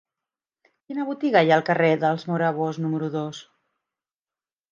Quina botiga hi ha al carrer dels Morabos número dos?